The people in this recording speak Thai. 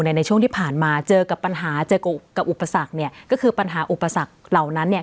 ในช่วงที่ผ่านมาเจอกับปัญหาเจอกับอุปสรรคเนี่ยก็คือปัญหาอุปสรรคเหล่านั้นเนี่ย